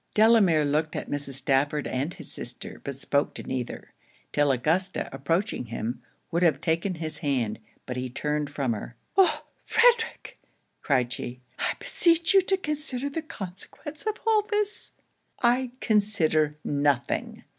Delamere looked at Mrs. Stafford and his sister, but spoke to neither; till Augusta approaching him, would have taken his hand; but he turned from her. 'Oh, Frederic!' cried she, 'I beseech you to consider the consequence of all this.' 'I consider nothing!'